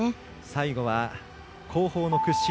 最後は後方の屈身